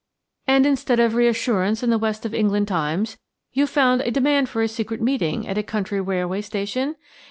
"And instead of reassurance in the West of England Times, you found a demand for a secret meeting at a country railway station?"